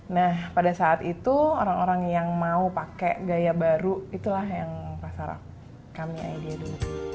nah pada saat itu orang orang yang mau pakai gaya baru itulah yang rasa kami idea dulu